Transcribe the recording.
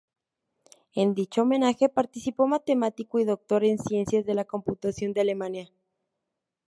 En dicho homenaje participó matemático y doctor en ciencias de la computación de Alemania.